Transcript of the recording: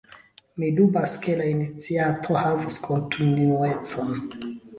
Mi dubas ke la iniciato havus kontinuecon.